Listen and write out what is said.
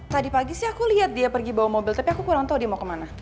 tadi pagi sih aku lihat dia pergi bawa mobil tapi aku kurang tahu dia mau kemana